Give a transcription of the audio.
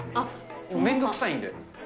面倒くさいんで。